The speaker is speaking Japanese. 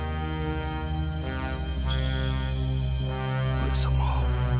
上様。